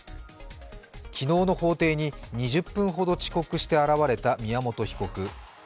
昨日の法廷に２０分ほど遅刻して現れた宮本被告。